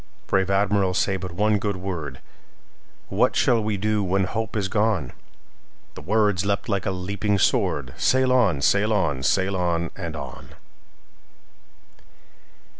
Brave Admiral, say but one good word:What shall we do when hope is gone?"The words leapt like a leaping sword:"Sail on! sail on! sail on! and on!"